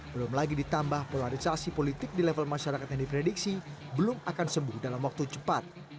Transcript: belum lagi ditambah polarisasi politik di level masyarakat yang diprediksi belum akan sembuh dalam waktu cepat